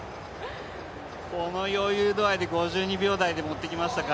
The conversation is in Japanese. この余裕具合で５２秒台に持ってきましたか。